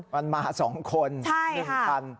มันมา๒คน๑คัน